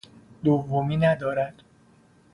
دومی ندارد.